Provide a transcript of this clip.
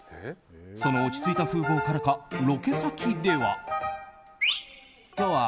その落ち着いた風貌からかロケ先では。